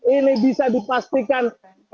ini bisa dipastikan